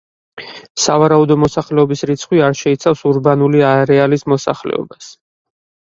სავარაუდო მოსახლეობის რიცხვი არ შეიცავს ურბანული არეალის მოსახლეობას.